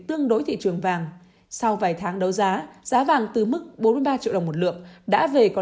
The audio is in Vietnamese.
tương đối thị trường vàng sau vài tháng đấu giá giá vàng từ mức bốn mươi ba triệu đồng một lượng đã về còn